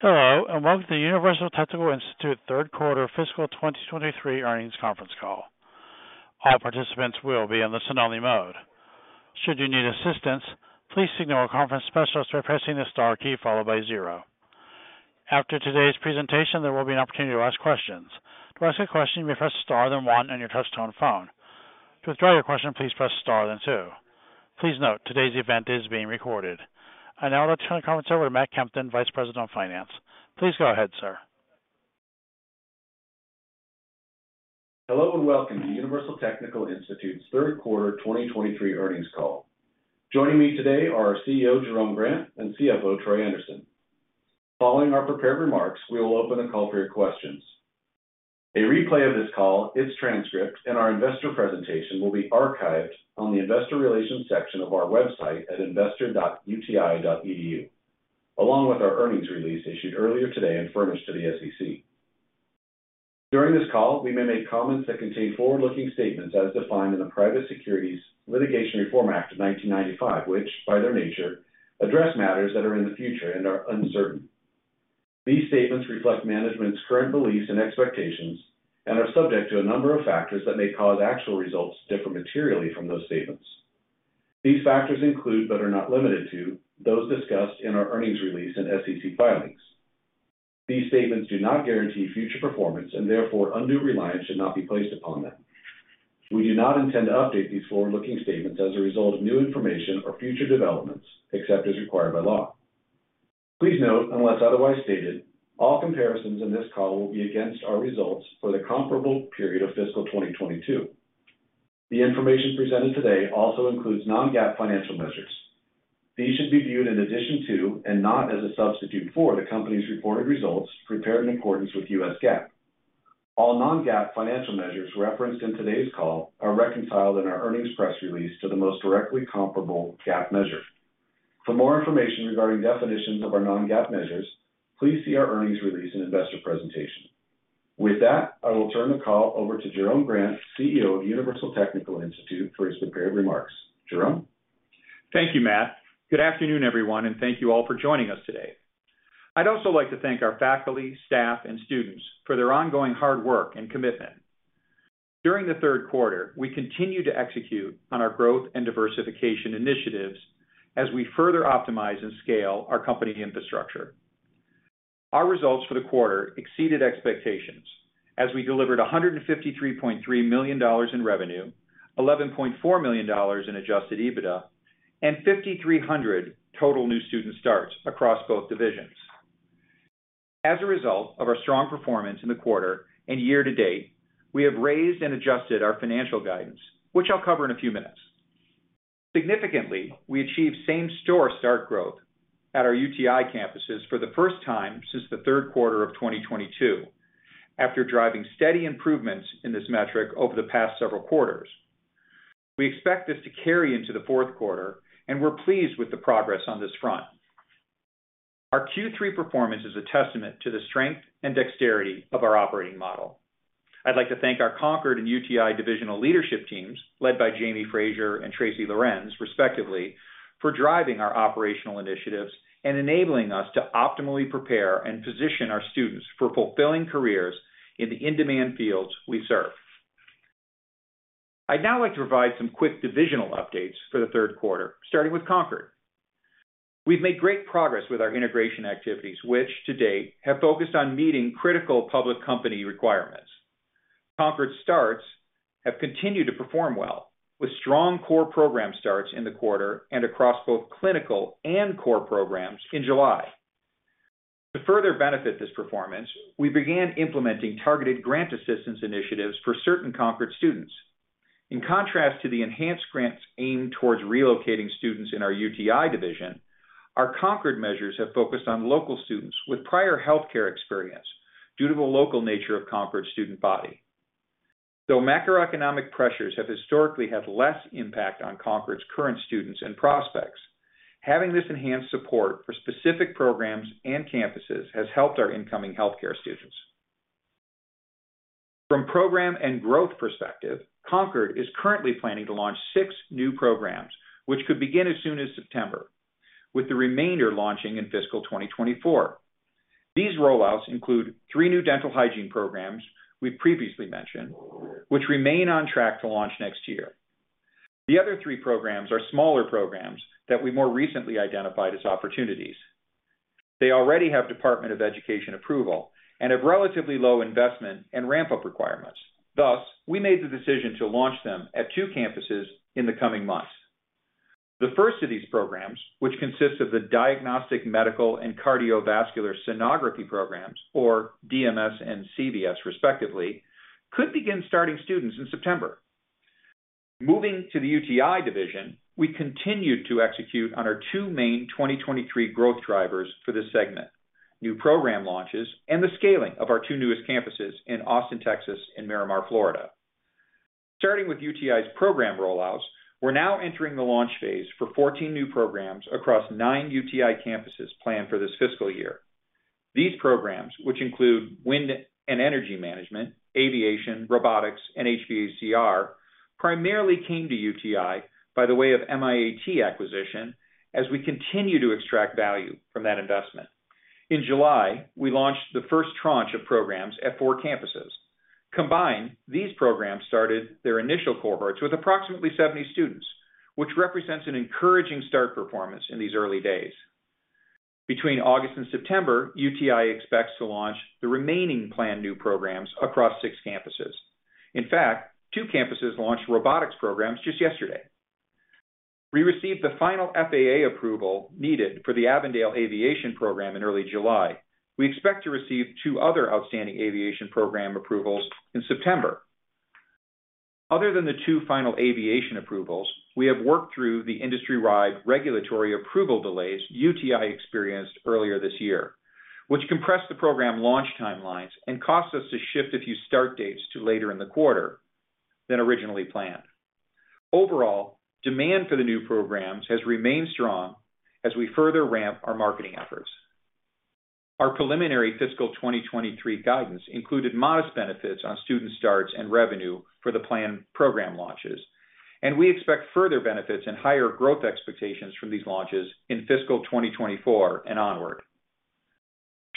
Hello, and welcome to the Universal Technical Institute third quarter fiscal 2023 earnings conference call. All participants will be in the listen-only mode. Should you need assistance, please signal our conference specialist by pressing the star key followed by zero. After today's presentation, there will be an opportunity to ask questions. To ask a question, you may press star then one on your touchtone phone. To withdraw your question, please press star then two. Please note, today's event is being recorded. I now return the conference over to Matt Kempton, Vice President of Finance. Please go ahead, sir. Hello, welcome to Universal Technical Institute's third quarter 2023 earnings call. Joining me today are our CEO, Jerome Grant, and CFO, Troy Anderson. Following our prepared remarks, we will open the call for your questions. A replay of this call, its transcript, and our investor presentation will be archived on the investor relations section of our website at investor.uti.edu, along with our earnings release issued earlier today and furnished to the SEC. During this call, we may make comments that contain forward-looking statements as defined in the Private Securities Litigation Reform Act of 1995, which, by their nature, address matters that are in the future and are uncertain. These statements reflect management's current beliefs and expectations and are subject to a number of factors that may cause actual results to differ materially from those statements. These factors include, but are not limited to, those discussed in our earnings release and SEC filings. These statements do not guarantee future performance, and therefore undue reliance should not be placed upon them. We do not intend to update these forward-looking statements as a result of new information or future developments, except as required by law. Please note, unless otherwise stated, all comparisons in this call will be against our results for the comparable period of fiscal 2022. The information presented today also includes non-GAAP financial measures. These should be viewed in addition to, and not as a substitute for, the company's reported results prepared in accordance with U.S. GAAP. All non-GAAP financial measures referenced in today's call are reconciled in our earnings press release to the most directly comparable GAAP measure. For more information regarding definitions of our non-GAAP measures, please see our earnings release and investor presentation. With that, I will turn the call over to Jerome Grant, CEO of Universal Technical Institute, for his prepared remarks. Jerome? Thank you, Matt. Good afternoon, everyone, and thank you all for joining us today. I'd also like to thank our faculty, staff, and students for their ongoing hard work and commitment. During the third quarter, we continued to execute on our growth and diversification initiatives as we further optimize and scale our company infrastructure. Our results for the quarter exceeded expectations as we delivered $153.3 million in revenue, $11.4 million in adjusted EBITDA, and 5,300 total new student starts across both divisions. As a result of our strong performance in the quarter and year-to-date, we have raised and adjusted our financial guidance, which I'll cover in a few minutes. Significantly, we achieved same-store start growth at our UTI campuses for the first time since the third quarter of 2022 after driving steady improvements in this metric over the past several quarters. We expect this to carry into the fourth quarter, and we're pleased with the progress on this front. Our Q3 performance is a testament to the strength and dexterity of our operating model. I'd like to thank our Concorde and UTI divisional leadership teams, led by Jami Frazier and Tracy Lorenz, respectively, for driving our operational initiatives and enabling us to optimally prepare and position our students for fulfilling careers in the in-demand fields we serve. I'd now like to provide some quick divisional updates for the third quarter, starting with Concorde. We've made great progress with our integration activities, which to date have focused on meeting critical public company requirements. Concorde starts have continued to perform well, with strong core program starts in the quarter and across both clinical and core programs in July. To further benefit this performance, we began implementing targeted grant assistance initiatives for certain Concorde students. In contrast to the enhanced grants aimed towards relocating students in our UTI division, our Concorde measures have focused on local students with prior healthcare experience due to the local nature of Concorde's student body. Though macroeconomic pressures have historically had less impact on Concorde's current students and prospects, having this enhanced support for specific programs and campuses has helped our incoming healthcare students. From program and growth perspective, Concorde is currently planning to launch six new programs, which could begin as soon as September, with the remainder launching in fiscal 2024. These rollouts include three new Dental Hygiene programs we've previously mentioned, which remain on track to launch next year. The other three programs are smaller programs that we more recently identified as opportunities. They already have Department of Education approval and have relatively low investment and ramp-up requirements. Thus, we made the decision to launch them at two campuses in the coming months. The first of these programs, which consists of the Diagnostic Medical Sonography and Cardiovascular Sonography programs, or DMS and CVS, respectively, could begin starting students in September. Moving to the UTI division, we continued to execute on our two main 2023 growth drivers for this segment: new program launches and the scaling of our two newest campuses in Austin, Texas, and Miramar, Florida. Starting with UTI's program rollouts, we're now entering the launch phase for 14 new programs across nine UTI campuses planned for this fiscal year. These programs, which include Wind and Energy Management, Aviation, robotics, and HVACR, primarily came to UTI by the way of MIAT acquisition as we continue to extract value from that investment. In July, we launched the first tranche of programs at four campuses. Combined, these programs started their initial cohorts with approximately 70 students, which represents an encouraging start performance in these early days. Between August and September, UTI expects to launch the remaining planned new programs across 6 campuses. In fact, two campuses launched robotics programs just yesterday. We received the final FAA approval needed for the Avondale Aviation program in early July. We expect to receive 2 other outstanding Aviation program approvals in September. Other than the two final Aviation approvals, we have worked through the industry-wide regulatory approval delays UTI experienced earlier this year, which compressed the program launch timelines and cost us to shift a few start dates to later in the quarter than originally planned. Overall, demand for the new programs has remained strong as we further ramp our marketing efforts. Our preliminary fiscal 2023 guidance included modest benefits on student starts and revenue for the planned program launches. We expect further benefits and higher growth expectations from these launches in fiscal 2024 and onward.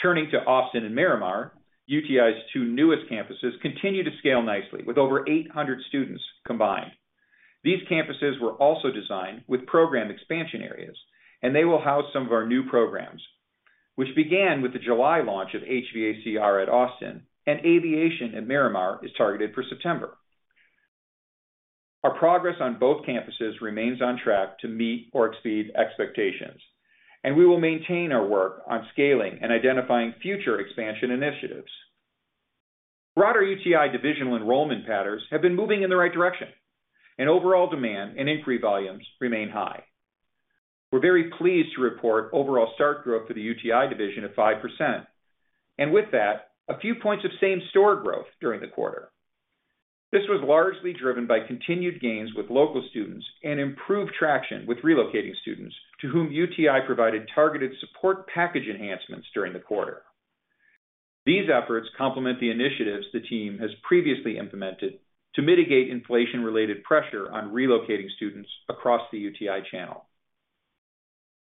Turning to Austin and Miramar, UTI's two newest campuses continue to scale nicely, with over 800 students combined. These campuses were also designed with program expansion areas, and they will house some of our new programs, which began with the July launch of HVACR at Austin, and Aviation at Miramar is targeted for September. Our progress on both campuses remains on track to meet or exceed expectations, and we will maintain our work on scaling and identifying future expansion initiatives. Broader UTI divisional enrollment patterns have been moving in the right direction, and overall demand and inquiry volumes remain high. We're very pleased to report overall start growth for the UTI division at 5%, and with that, a few points of same-store growth during the quarter. This was largely driven by continued gains with local students and improved traction with relocating students, to whom UTI provided targeted support package enhancements during the quarter. These efforts complement the initiatives the team has previously implemented to mitigate inflation-related pressure on relocating students across the UTI.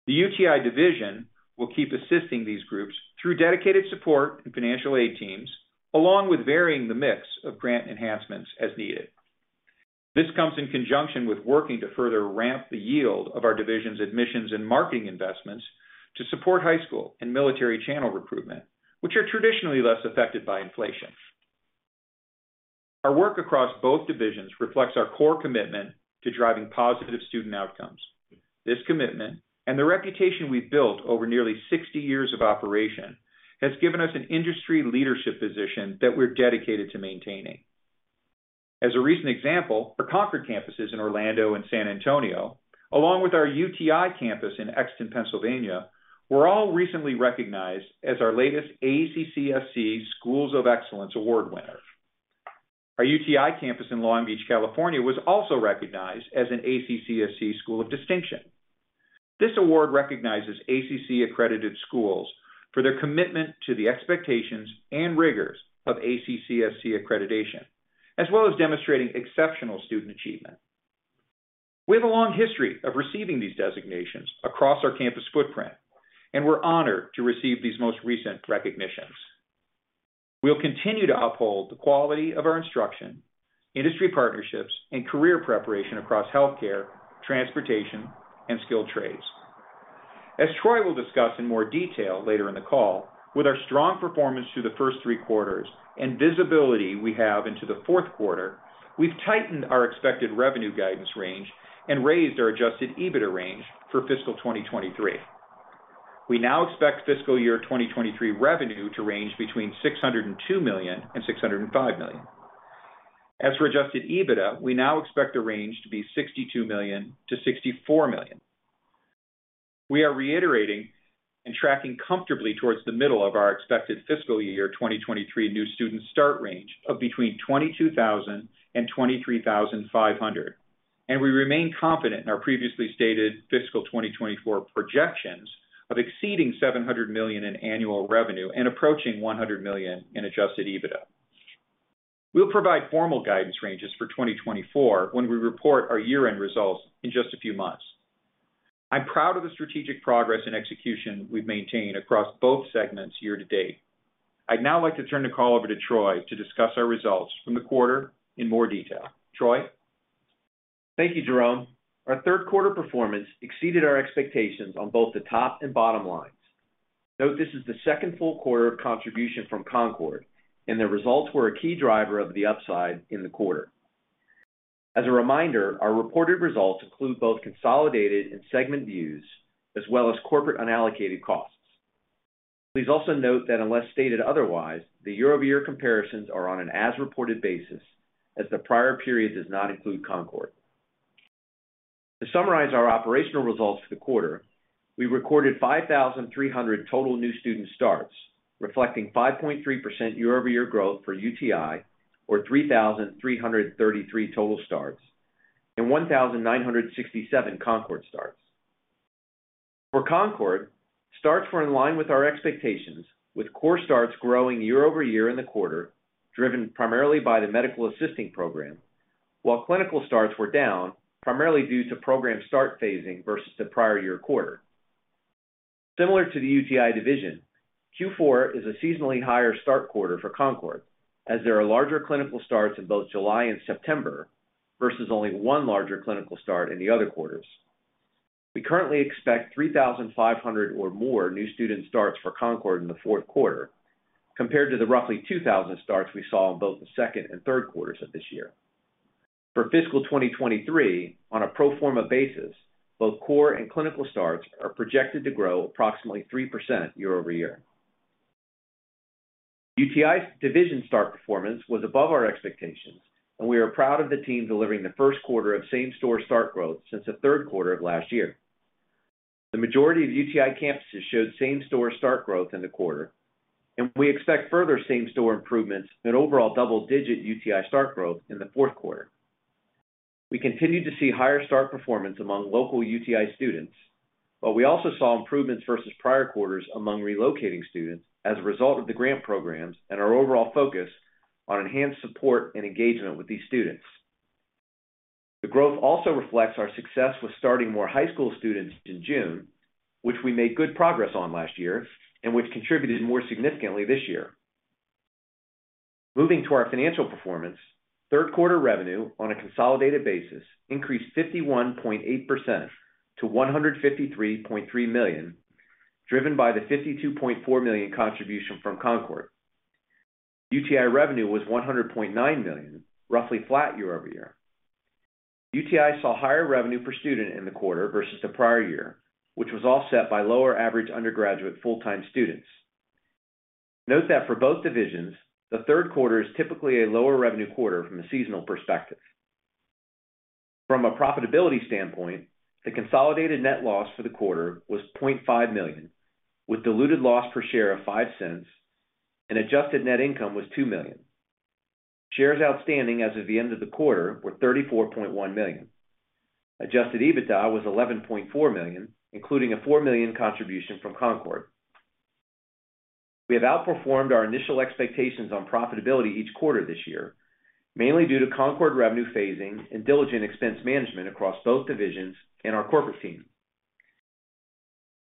The UTI will keep assisting these groups through dedicated support and financial aid teams, along with varying the mix of grant enhancements as needed. This comes in conjunction with working to further ramp the yield of our division's admissions and marketing investments to support high school and military channel recruitment, which are traditionally less affected by inflation. Our work across both divisions reflects our core commitment to driving positive student outcomes. This commitment and the reputation we've built over nearly 60 years of operation, has given us an industry leadership position that we're dedicated to maintaining. As a recent example, our Concorde campuses in Orlando and San Antonio, along with our UTI campus in Exton, Pennsylvania, were all recently recognized as our latest ACCSC Schools of Excellence Award winners. Our UTI campus in Long Beach, California, was also recognized as an ACCSC School of Distinction. This award recognizes ACCSC-accredited schools for their commitment to the expectations and rigors of ACCSC accreditation, as well as demonstrating exceptional student achievement. We have a long history of receiving these designations across our campus footprint, and we're honored to receive these most recent recognitions. We'll continue to uphold the quality of our instruction, industry partnerships, and career preparation across healthcare, transportation, and skilled trades. As Troy will discuss in more detail later in the call, with our strong performance through the first three quarters and visibility we have into the fourth quarter, we've tightened our expected revenue guidance range and raised our adjusted EBITDA range for fiscal 2023. We now expect fiscal year 2023 revenue to range between $602 million and $605 million. As for adjusted EBITDA, we now expect the range to be $62 million-$64 million. We are reiterating and tracking comfortably towards the middle of our expected fiscal year 2023 new student start range of between 22,000 and 23,500, We remain confident in our previously stated fiscal 2024 projections of exceeding $700 million in annual revenue and approaching $100 million in adjusted EBITDA. We'll provide formal guidance ranges for 2024 when we report our year-end results in just a few months. I'm proud of the strategic progress and execution we've maintained across both segments year to date. I'd now like to turn the call over to Troy to discuss our results from the quarter in more detail. Troy? Thank you, Jerome. Our third quarter performance exceeded our expectations on both the top and bottom lines. Note, this is the second full quarter of contribution from Concord. Their results were a key driver of the upside in the quarter. As a reminder, our reported results include both consolidated and segment views, as well as corporate unallocated costs. Please also note that unless stated otherwise, the year-over-year comparisons are on an as-reported basis, as the prior period does not include Concord. To summarize our operational results for the quarter, we recorded 5,300 total new student starts, reflecting 5.3% year-over-year growth for UTI, or 3,333 total starts and 1,967 Concord starts. For Concord, starts were in line with our expectations, with core starts growing year-over-year in the quarter, driven primarily by the Medical Assisting program, while clinical starts were down primarily due to program start phasing versus the prior year quarter. Similar to the UTI division, Q4 is a seasonally higher start quarter for Concord, as there are larger clinical starts in both July and September versus only one larger clinical start in the other quarters. We currently expect 3,500 or more new student starts for Concord in the fourth quarter, compared to the roughly 2,000 starts we saw in both the second and third quarters of this year. For fiscal 2023, on a pro forma basis, both core and clinical starts are projected to grow approximately 3% year-over-year. UTI's division start performance was above our expectations. We are proud of the team delivering the first quarter of same-store start growth since the third quarter of last year. The majority of UTI campuses showed same-store start growth in the quarter, and we expect further same-store improvements and overall double-digit UTI start growth in the fourth quarter. We continued to see higher start performance among local UTI students. We also saw improvements versus prior quarters among relocating students as a result of the grant programs and our overall focus on enhanced support and engagement with these students. The growth also reflects our success with starting more high school students in June, which we made good progress on last year and which contributed more significantly this year. Moving to our financial performance, third quarter revenue on a consolidated basis increased 51.8% to $153.3 million, driven by the $52.4 million contribution from Concord. UTI revenue was $100.9 million, roughly flat year-over-year. UTI saw higher revenue per student in the quarter versus the prior year, which was offset by lower average undergraduate full-time students. Note that for both divisions, the third quarter is typically a lower revenue quarter from a seasonal perspective. From a profitability standpoint, the consolidated net loss for the quarter was $0.5 million, with diluted loss per share of $0.05, and adjusted net income was $2 million. Shares outstanding as of the end of the quarter were 34.1 million. Adjusted EBITDA was $11.4 million, including a $4 million contribution from Concord. We have outperformed our initial expectations on profitability each quarter this year, mainly due to Concord revenue phasing and diligent expense management across both divisions and our corporate team.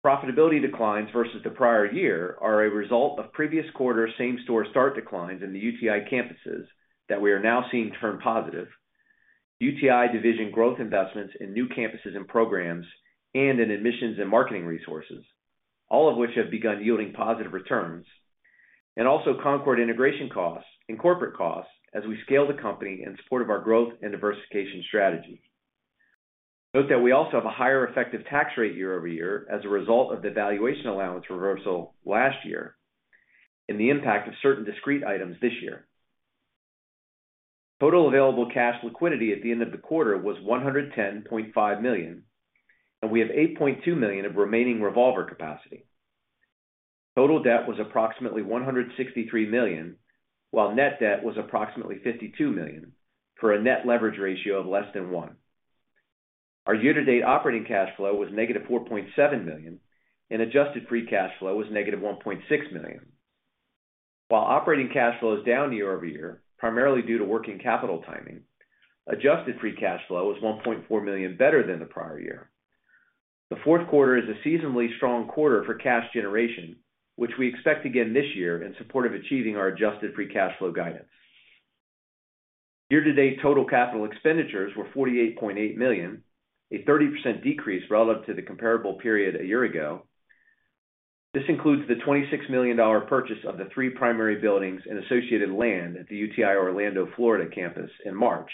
Profitability declines versus the prior year are a result of previous quarter same-store start declines in the UTI campuses that we are now seeing turn positive. UTI division growth investments in new campuses and programs, and in admissions and marketing resources, all of which have begun yielding positive returns, and also Concord integration costs and corporate costs as we scale the company in support of our growth and diversification strategy. Note that we also have a higher effective tax rate year-over-year as a result of the valuation allowance reversal last year, and the impact of certain discrete items this year. Total available cash liquidity at the end of the quarter was $110.5 million. We have $8.2 million of remaining revolver capacity. Total debt was approximately $163 million, while net debt was approximately $52 million, for a net leverage ratio of less than one. Our year-to-date operating cash flow was -$4.7 million. Adjusted free cash flow was -$1.6 million. While operating cash flow is down year-over-year, primarily due to working capital timing, adjusted free cash flow is $1.4 million better than the prior year. The fourth quarter is a seasonally strong quarter for cash generation, which we expect again this year in support of achieving our adjusted free cash flow guidance. Year-to-date total capital expenditures were $48.8 million, a 30% decrease relative to the comparable period a year ago. This includes the $26 million purchase of the three primary buildings and associated land at the UTI, Orlando, Florida, campus in March.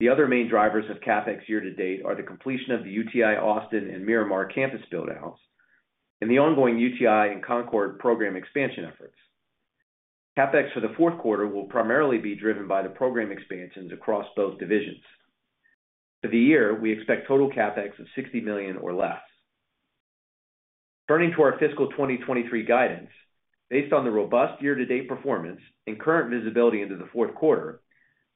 The other main drivers of CapEx year to date are the completion of the UTI, Austin, and Miramar campus build-outs, and the ongoing UTI and Concord program expansion efforts. CapEx for the fourth quarter will primarily be driven by the program expansions across both divisions. For the year, we expect total CapEx of $60 million or less. Turning to our fiscal 2023 guidance, based on the robust year-to-date performance and current visibility into the fourth quarter,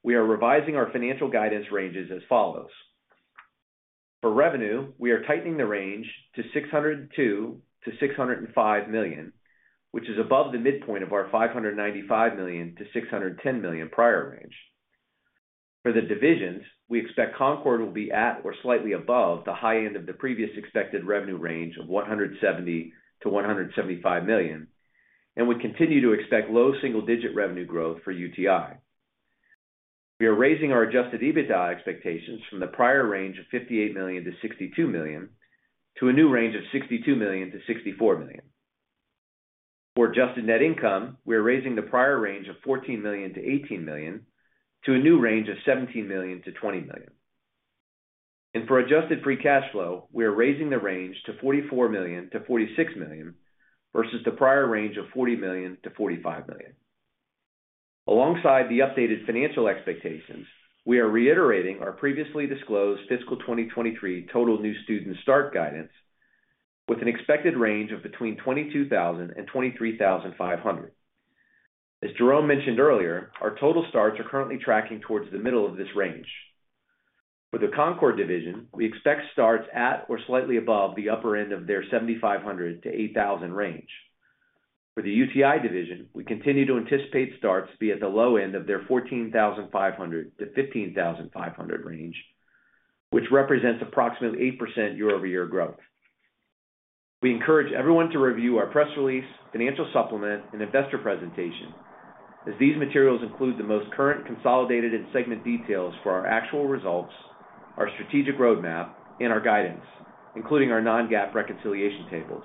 we are revising our financial guidance ranges as follows: For revenue, we are tightening the range to $602 million-$605 million, which is above the midpoint of our $595 million-$610 million prior range. For the divisions, we expect Concord will be at or slightly above the high end of the previous expected revenue range of $170 million-$175 million, and we continue to expect low single-digit revenue growth for UTI. We are raising our adjusted EBITDA expectations from the prior range of $58 million-$62 million, to a new range of $62 million-$64 million. For adjusted net income, we are raising the prior range of $14 million-$18 million, to a new range of $17 million-$20 million. For adjusted free cash flow, we are raising the range to $44 million-$46 million, versus the prior range of $40 million-$45 million. Alongside the updated financial expectations, we are reiterating our previously disclosed fiscal 2023 total new student start guidance with an expected range of between 22,000 and 23,500. As Jerome mentioned earlier, our total starts are currently tracking towards the middle of this range. For the Concord division, we expect starts at or slightly above the upper end of their 7,500-8,000 range. For the UTI Division, we continue to anticipate starts to be at the low end of their 14,500-15,500 range, which represents approximately 8% year-over-year growth. We encourage everyone to review our press release, financial supplement, and investor presentation, as these materials include the most current consolidated and segment details for our actual results, our strategic roadmap, and our guidance, including our non-GAAP reconciliation tables.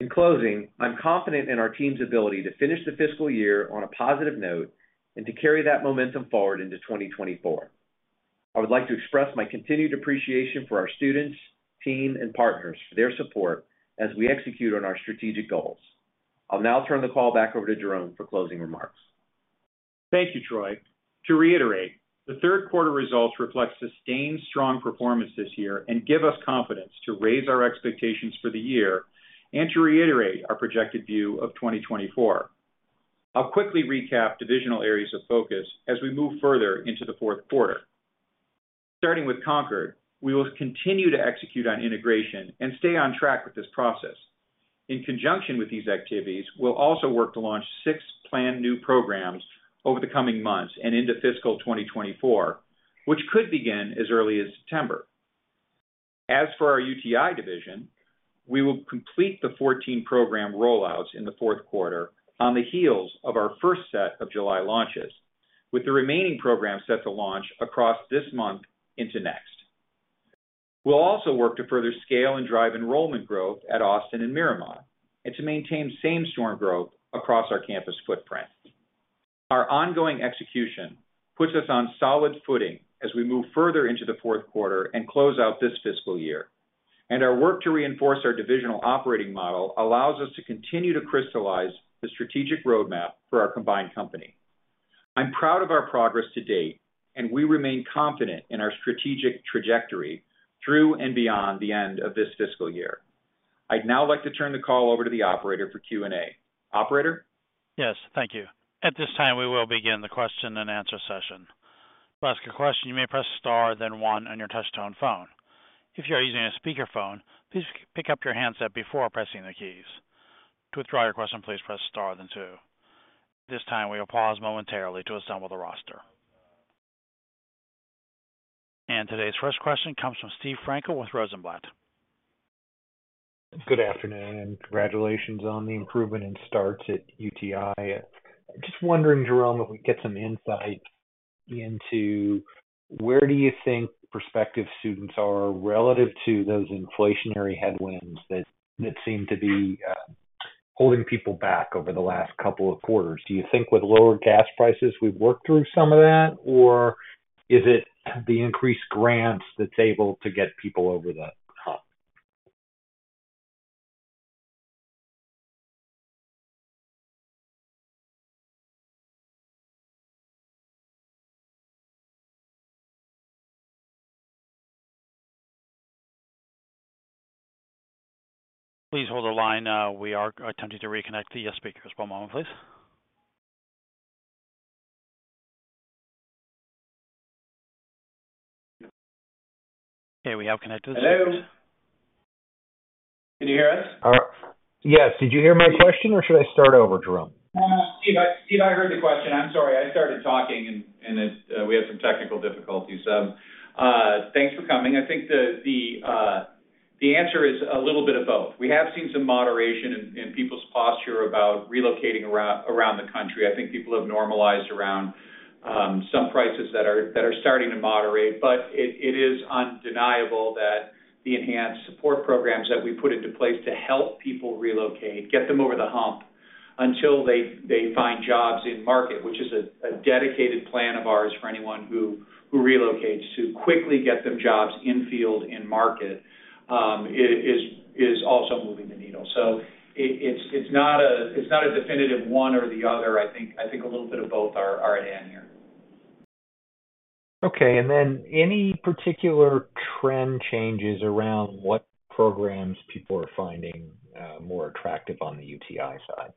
In closing, I'm confident in our team's ability to finish the fiscal year on a positive note and to carry that momentum forward into 2024. I would like to express my continued appreciation for our students, team, and partners for their support as we execute on our strategic goals. I'll now turn the call back over to Jerome for closing remarks. Thank you, Troy. To reiterate, the third quarter results reflect sustained strong performance this year and give us confidence to raise our expectations for the year and to reiterate our projected view of 2024. I'll quickly recap divisional areas of focus as we move further into the fourth quarter. Starting with Concord, we will continue to execute on integration and stay on track with this process. In conjunction with these activities, we'll also work to launch 6 planned new programs over the coming months and into fiscal 2024, which could begin as early as September. As for our UTI division, we will complete the 14 program rollouts in the fourth quarter on the heels of our first set of July launches, with the remaining programs set to launch across this month into next. We'll also work to further scale and drive enrollment growth at Austin and Miramar, to maintain same-store growth across our campus footprint. Our ongoing execution puts us on solid footing as we move further into the fourth quarter and close out this fiscal year, our work to reinforce our divisional operating model allows us to continue to crystallize the strategic roadmap for our combined company. I'm proud of our progress to date, we remain confident in our strategic trajectory through and beyond the end of this fiscal year. I'd now like to turn the call over to the operator for Q&A. Operator? Yes, thank you. At this time, we will begin the Q&A session. To ask a question, you may press star, then 1 on your touchtone phone. If you are using a speakerphone, please pick up your handset before pressing the keys. To withdraw your question, please press star, then At this time, we will pause momentarily to assemble the roster. Today's first question comes from Steve Frankel with Rosenblatt. Good afternoon, congratulations on the improvement in starts at UTI. Just wondering, Jerome, if we could get some insight into where do you think prospective students are relative to those inflationary headwinds that, that seem to be holding people back over the last couple of quarters? Do you think with lower gas prices, we've worked through some of that, or is it the increased grants that's able to get people over the hump? Please hold the line. We are attempting to reconnect the speakers. One moment, please. Okay, we have connected- Hello? Can you hear us? Yes. Did you hear my question, or should I start over, Jerome? Steve, I, Steve, I heard the question. I'm sorry, I started talking and, and it's, we had some technical difficulties. Thanks for coming. I think the, the, the answer is a little bit of both. We have seen some moderation in, in people's posture about relocating around the country. I think people have normalized around some prices that are, that are starting to moderate. It, it is undeniable that the enhanced support programs that we put into place to help people relocate, get them over the hump until they, they find jobs in market, which is a, a dedicated plan of ours for anyone who, who relocates, to quickly get them jobs in field, in market, is, is, is also moving the needle. It, it's, it's not a, it's not a definitive one or the other. I think, I think a little bit of both are, are at hand here. Okay, any particular trend changes around what programs people are finding more attractive on the UTI side?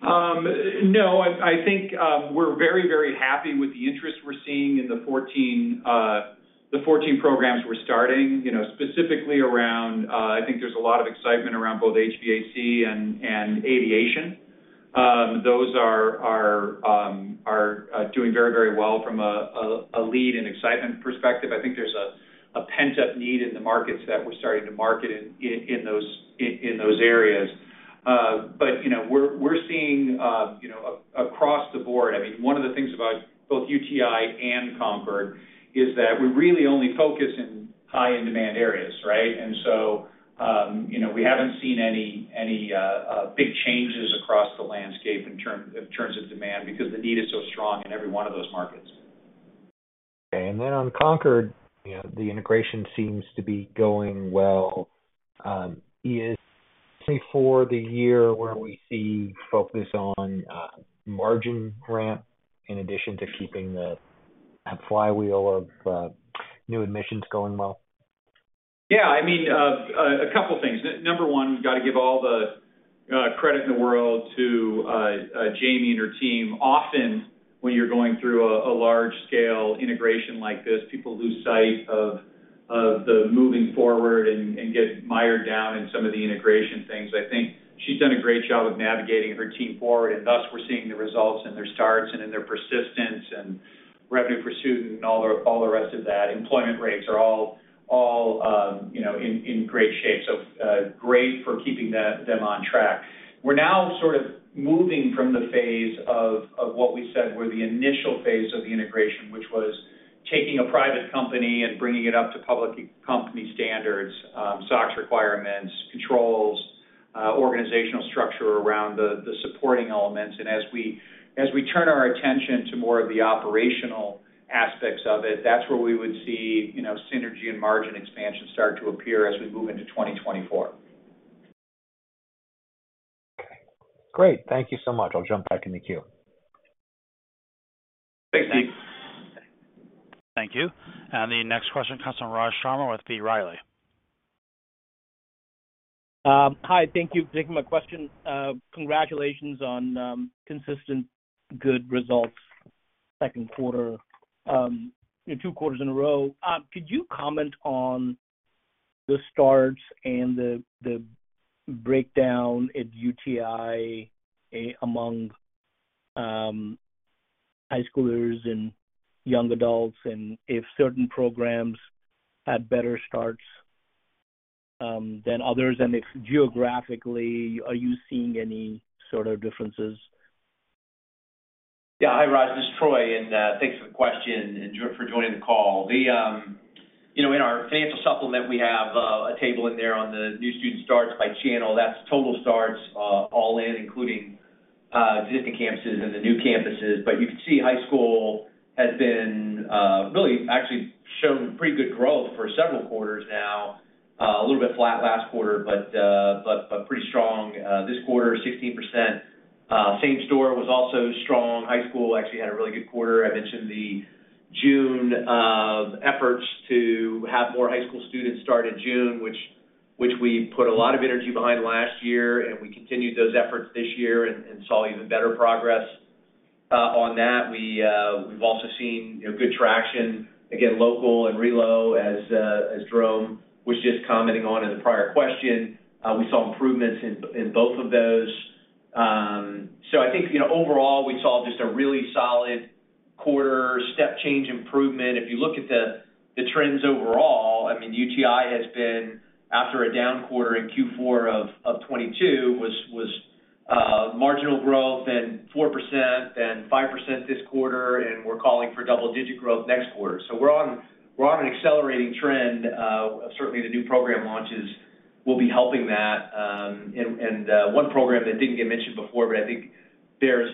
No, I, I think, we're very, very happy with the interest we're seeing in the 14, the 14 programs we're starting. You know, specifically around, I think there's a lot of excitement around both HVAC and, and Aviation. Those are, are, are doing very, very well from a, a, a lead and excitement perspective. I think there's a, a pent-up need in the markets that we're starting to market in, in, in those, in, in those areas. You know, we're, we're seeing, you know, across the board, I mean, one of the things about both UTI and Concord is that we really only focus in high in-demand areas, right? You know, we haven't seen any, any, big changes across the landscape in terms of demand because the need is so strong in every one of those markets. Okay, then on Concord, you know, the integration seems to be going well. Is for the year where we see focus on margin ramp in addition to keeping the flywheel of new admissions going well? Yeah, I mean, a couple of things. Number one, we've got to give all the credit in the world to Jamie and her team. Often, when you're going through a large-scale integration like this, people lose sight of, of the moving forward and, and get mired down in some of the integration things. I think she's done a great job of navigating her team forward, and thus, we're seeing the results in their starts and in their persistence and revenue per student and all the, all the rest of that. Employment rates are all, all, you know, in, in great shape, so great for keeping them on track. We're now sort of moving from the phase of what we said were the initial phase of the integration, which was taking a private company and bringing it up to public company standards, SOX requirements, controls, organizational structure around the, the supporting elements. As we, as we turn our attention to more of the operational aspects of it, that's where we would see, you know, synergy and margin expansion start to appear as we move into 2024. Great. Thank you so much. I'll jump back in the queue. Thanks, Steve. Thank you. The next question comes from Raj Sharma with B. Riley. Hi, thank you for taking my question. Congratulations on consistent good results, second quarter, in two quarters in a row. Could you comment on the starts and the, the breakdown at UTI, among high schoolers and young adults, and if certain programs had better starts than others? If geographically, are you seeing any sort of differences? Yeah. Hi, Raj, this is Troy, and thanks for the question and for joining the call. You know, in our financial supplement, we have a table in there on the new student starts by channel. That's total starts, all in, including existing campuses and the new campuses. You can see high school has been really actually shown pretty good growth for several quarters now, a little bit flat last quarter, but pretty strong. This quarter, 16%, same store was also strong. High school actually had a really good quarter. I mentioned the June efforts to have more high school students start in June, which we put a lot of energy behind last year, and we continued those efforts this year and saw even better progress on that. We, we've also seen, you know, good traction, again, local and relo, as Jerome was just commenting on in the prior question. We saw improvements in, in both of those. I think, you know, overall, we saw just a really solid quarter step change improvement. If you look at the, the trends overall, I mean, UTI has been after a down quarter in Q4 of 2022, was, was marginal growth, 4% and 5% this quarter, we're calling for double-digit growth next quarter. We're on, we're on an accelerating trend. Certainly, the new program launches will be helping that. One program that didn't get mentioned before, but I think there's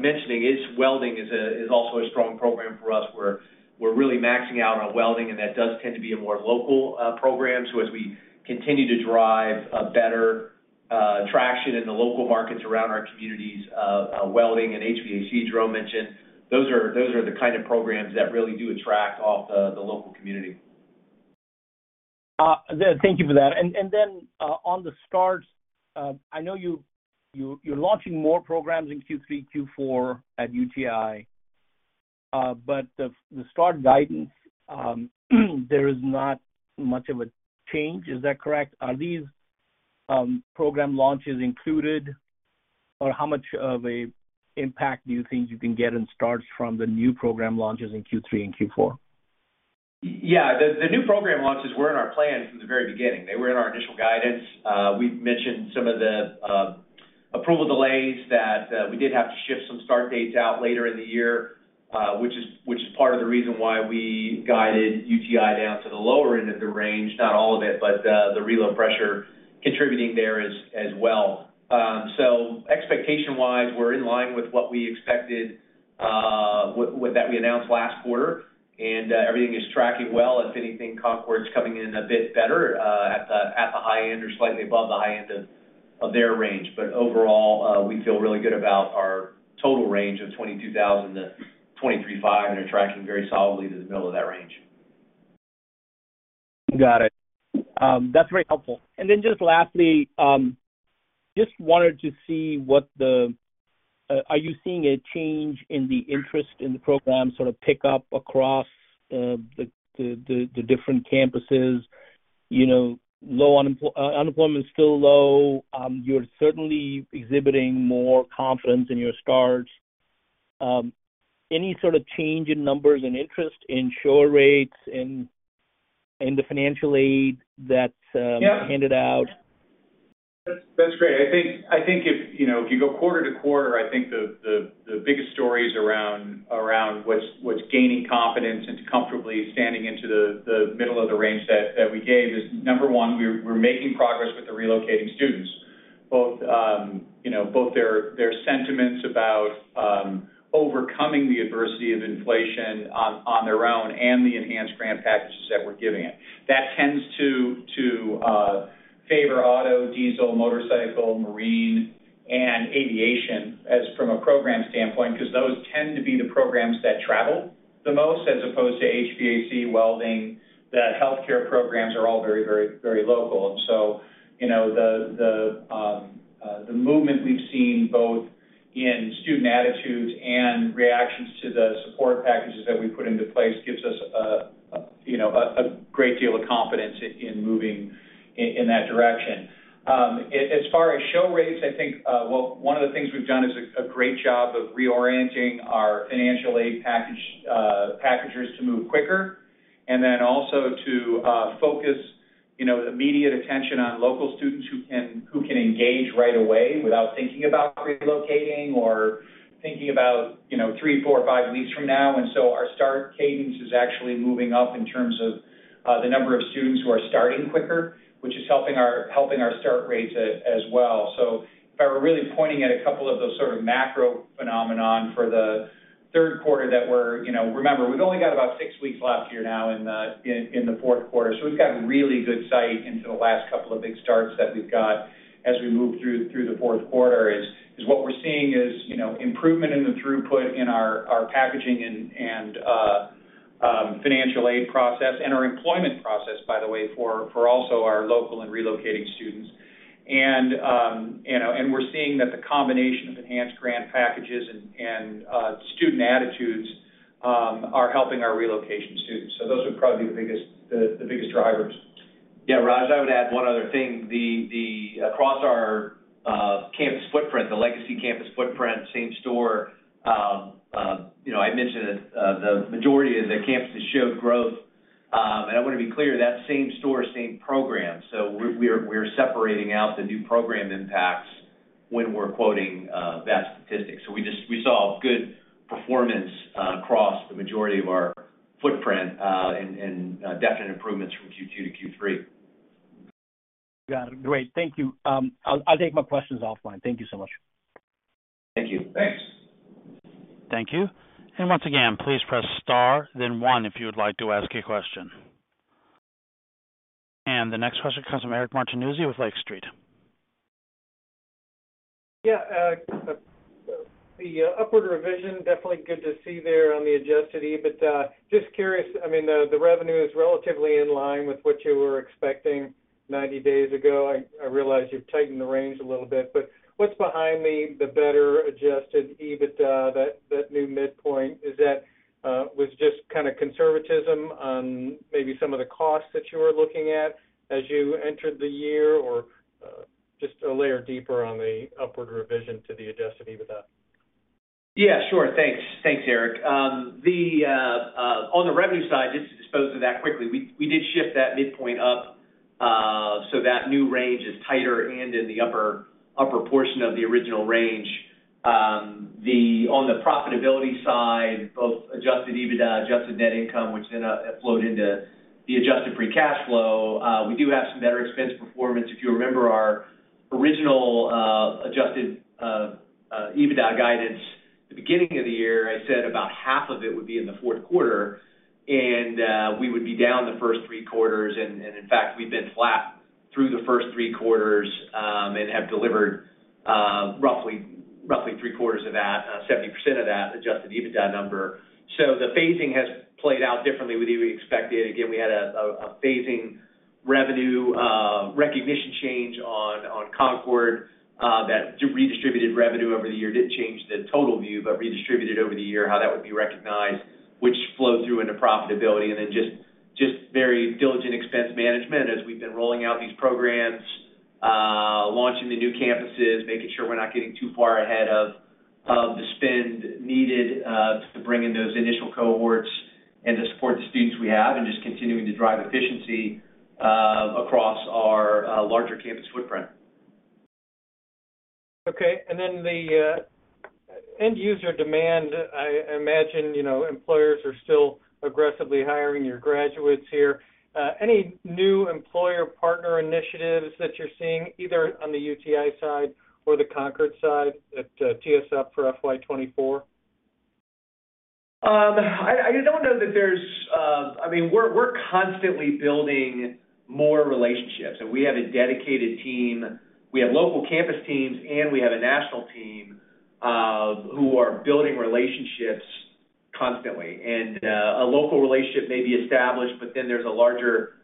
mentioning is welding is also a strong program for us, where we're really maxing out on welding, and that does tend to be a more local program. As we continue to drive a better traction in the local markets around our communities, welding and HVAC, Jerome mentioned, those are, those are the kind of programs that really do attract off the local community. Thank you for that. On the starts, I know you're launching more programs in Q3, Q4 at UTI, the start guidance, there is not much of a change. Is that correct? Are these program launches included, or how much of a impact do you think you can get in starts from the new program launches in Q3 and Q4? Yeah, the new program launches were in our plans from the very beginning. They were in our initial guidance. We've mentioned some of the approval delays that we did have to shift some start dates out later in the year, which is part of the reason why we guided UTI down to the lower end of the range, not all of it, but the reload pressure contributing there as well. Expectation-wise, we're in line with what we expected, with that we announced last quarter. Everything is tracking well. If anything, Concord's coming in a bit better, at the high end or slightly above the high end of their range. Overall, we feel really good about our total range of 22,000-23,500, and they're tracking very solidly to the middle of that range. Got it. That's very helpful. Just lastly, just wanted to see what the... Are you seeing a change in the interest in the program sort of pick up across the different campuses? You know, unemployment is still low. You're certainly exhibiting more confidence in your starts. Any sort of change in numbers and interest in shore rates, in, in the financial aid that— Yeah... handed out? That's, that's great. I think, I think if, you know, if you go quarter to quarter, I think the biggest stories around what's gaining confidence and comfortably standing into the middle of the range that we gave is, number one, we're making progress with the relocating students. Both, you know, their sentiments about-... overcoming the adversity of inflation on, on their own and the enhanced grant packages that we're giving it. That tends to, to favor auto, diesel, motorcycle, marine, and Aviation as from a program standpoint, because those tend to be the programs that travel the most, as opposed to HVAC, welding. The healthcare programs are all very, very, very local. You know, the, the movement we've seen both in student attitudes and reactions to the support packages that we put into place gives us a, a, you know, a, a great deal of confidence in, in moving in, in that direction. As, as far as show rates, I think, well, one of the things we've done is a great job of reorienting our financial aid package, packagers to move quicker, and then also to focus, you know, immediate attention on local students who can, who can engage right away without thinking about relocating or thinking about, you know, 3, 4, or 5 weeks from now. Our start cadence is actually moving up in terms of the number of students who are starting quicker, which is helping helping our start rates as, as well. If I were really pointing at a couple of those sort of macro phenomenon for the third quarter that we're... You know, remember, we've only got about six weeks left here now in the fourth quarter, so we've got really good sight into the last couple of big starts that we've got as we move through the fourth quarter. What we're seeing is, you know, improvement in the throughput in our packaging and financial aid process and our employment process, by the way, for also our local and relocating students. You know, and we're seeing that the combination of enhanced grant packages and student attitudes are helping our relocation students. Those would probably be the biggest drivers. Yeah, Raj, I would add one other thing. The, across our campus footprint, the legacy campus footprint, same store, you know, I mentioned that the majority of the campuses showed growth. I wanna be clear, that same store, same program. We're separating out the new program impacts when we're quoting that statistic. We just- we saw good performance across the majority of our footprint, and definite improvements from Q2 to Q3. Got it. Great. Thank you. I'll, I'll take my questions offline. Thank you so much. Thank you. Thanks. Thank you. Once again, please press Star, then 1 if you would like to ask a question. The next question comes from Eric Martinuzzi with Lake Street. Yeah, the, the upward revision, definitely good to see there on the adjusted EBITDA. Just curious, I mean, the, the revenue is relatively in line with what you were expecting 90 days ago. I, I realize you've tightened the range a little bit, but what's behind me, the better adjusted EBITDA, that, that new midpoint is that, was just kind of conservatism on maybe some of the costs that you were looking at as you entered the year, or, just a layer deeper on the upward revision to the adjusted EBITDA? Yeah, sure. Thanks. Thanks, Eric. The on the revenue side, just to dispose of that quickly, we, we did shift that midpoint up, so that new range is tighter and in the upper, upper portion of the original range. On the profitability side, both adjusted EBITDA, adjusted net income, which then flowed into the adjusted free cash flow. We do have some better expense performance. If you remember our original, adjusted EBITDA guidance, the beginning of the year, I said about half of it would be in the fourth quarter, we would be down the first three quarters. In fact, we've been flat through the first three quarters, and have delivered, roughly, roughly three quarters of that, 70% of that adjusted EBITDA number. The phasing has played out differently than we expected. Again, we had a, a, a phasing revenue recognition change on, on Concorde, that redistributed revenue over the year. Didn't change the total view, but redistributed over the year, how that would be recognized, which flowed through into profitability, and then just, just very diligent expense management as we've been rolling out these programs, launching the new campuses, making sure we're not getting too far ahead of, of the spend needed, to bring in those initial cohorts and to support the students we have, and just continuing to drive efficiency across our larger campus footprint. Okay. Then the end-user demand, I, I imagine, you know, employers are still aggressively hiring your graduates here. Any new employer partner initiatives that you're seeing, either on the UTI side or the Concord side, that tees us up for FY 2024? I, I don't know that there's... I mean, we're, we're constantly building more relationships, and we have a dedicated team. We have local campus teams, and we have a national team, who are building relationships constantly. A local relationship may be established, but then there's a larger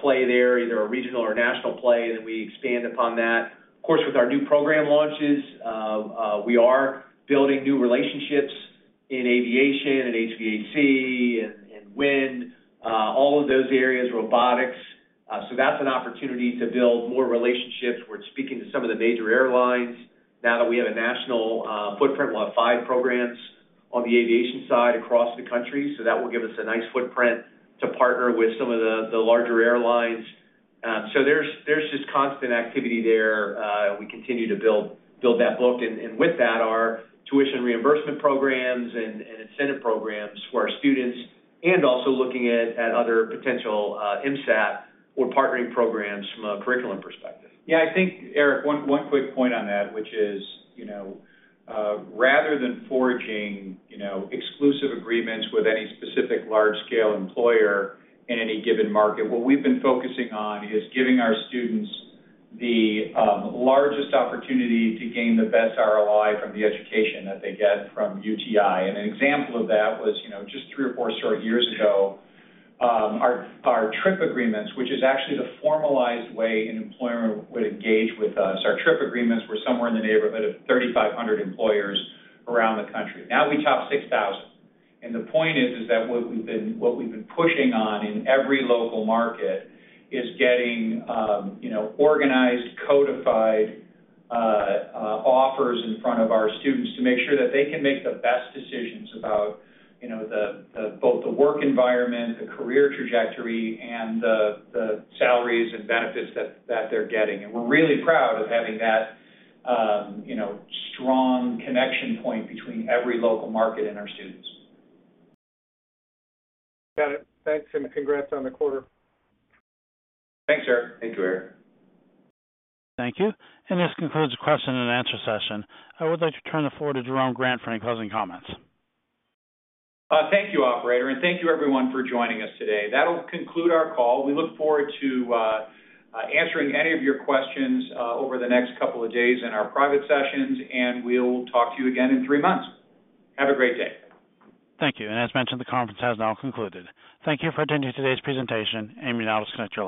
play there, either a regional or national play, and then we expand upon that. Of course, with our new program launches, we are building new relationships in Aviation and HVAC and, and wind, all of those areas, robotics. That's an opportunity to build more relationships. We're speaking to some of the major airlines. Now that we have a national footprint, we'll have five programs on the Aviation side across the country, that will give us a nice footprint to partner with some of the, the larger airlines. There's, there's just constant activity there. We continue to build, build that book, and, and with that, our tuition reimbursement programs and, and incentive programs for our students, and also looking at, at other potential, MSAT or partnering programs from a curriculum perspective. Yeah, I think, Eric, one, one quick point on that, which is, you know, rather than forging, you know, exclusive agreements with any specific large-scale employer in any given market, what we've been focusing on is giving our students the largest opportunity to gain the best ROI from the education that they get from UTI. An example of that was, you know, just three or four short years ago, our, our TRIP agreements, which is actually the formalized way an employer would engage with us. Our TRIP agreements were somewhere in the neighborhood of 3,500 employers around the country. Now we top 6,000. The point is, is that what we've been, what we've been pushing on in every local market is getting, you know, organized, codified, offers in front of our students to make sure that they can make the best decisions about, you know, the, the, both the work environment, the career trajectory, and the, the salaries and benefits that, that they're getting. We're really proud of having that, you know, strong connection point between every local market and our students. Got it. Thanks. Congrats on the quarter. Thanks, Eric. Thank you, Eric. Thank you. This concludes the question and answer session. I would like to turn the floor to Jerome Grant for any closing comments. Thank you, operator, and thank you, everyone, for joining us today. That'll conclude our call. We look forward to answering any of your questions over the next couple of days in our private sessions, and we'll talk to you again in three months. Have a great day. Thank you. As mentioned, the conference has now concluded. Thank you for attending today's presentation, and you now disconnect your line.